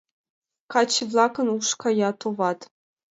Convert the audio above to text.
Каче-влакын уш кая, товат.